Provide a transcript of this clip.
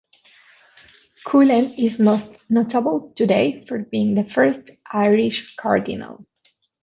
Cullen is most notable today for being the first Irish cardinal.